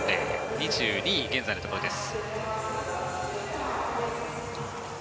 ２２位、現時点のところです。